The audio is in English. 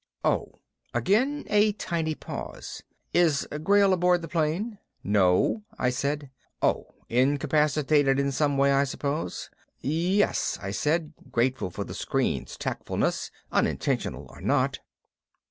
"Oh." Again a tiny pause. "Is Grayl aboard the plane?" "No." I said. "Oh. Incapacitated in some way, I suppose?" "Yes," I said, grateful for the screen's tactfulness, unintentional or not.